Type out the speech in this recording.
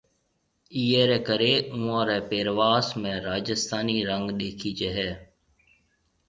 اِيئيَ رَي ڪرَي اوئون رَي پيرواس ۾ راجسٿانِي رنگ ڏيکِيجيَ ھيَََ